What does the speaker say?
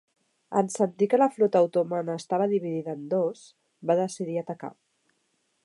En sentir que la flota otomana estava dividida en dos, va decidir atacar.